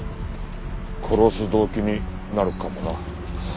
殺す動機になるかもな。